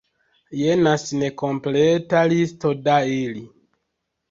Jenas nekompleta listo da ili.